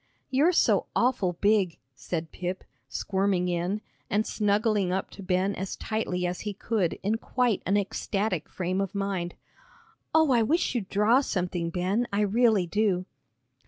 "You're so awful big," said Pip, squirming in, and snuggling up to Ben as tightly as he could in quite an ecstatic frame of mind. "Oh, I wish you'd draw something, Ben, I really do."